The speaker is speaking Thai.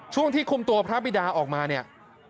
ช่วงที่คุมตัวพระบิดาออกมาเนี่ย